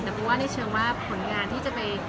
แต่เขาบรรยายชื่อว่าผลงานที่จะไป